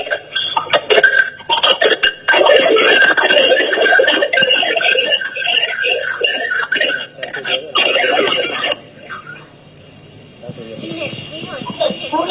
คุณผู้ชมสุดท้ายของผมพูดแบบที่บางอย่างนี้ความส่วนตัวกับความรู้สึกที่ร้านทองหรือด้วยคนที่เกี่ยวข้องอีกนะคะ